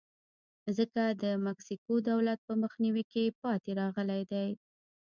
ځکه د مکسیکو دولت په مخنیوي کې پاتې راغلی دی.